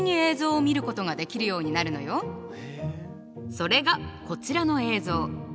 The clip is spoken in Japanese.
それがこちらの映像。